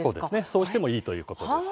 そうしてもいいということです。